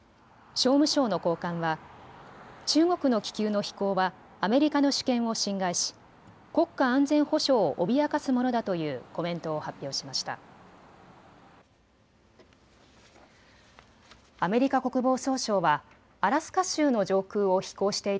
商務省の高官は中国の気球の飛行はアメリカの主権を侵害し国家安全保障を脅かすものだというコメントを発表しました。